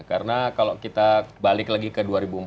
karena kalau kita balik lagi ke dua ribu empat belas